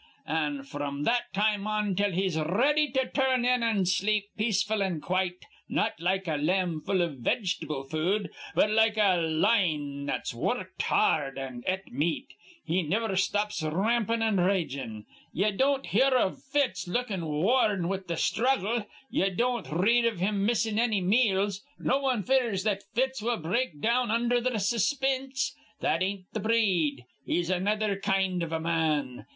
An' fr'm that time on till he's r ready to tur rn in an' sleep peaceful an' quite, not like a lamb full iv vigetable food, but like a line that's wur rked ha ard an' et meat, he niver stops rampin' an' ragin'. Ye don't hear iv Fitz lookin' worn with th' sthruggle. Ye don't r read iv him missin' anny meals. No one fears that Fitz will break down undher th' suspinse. That ain't in th' breed. He's another kind iv a man.